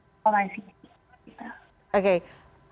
tapi kalau untuk di pernas perusahaan liga itu masih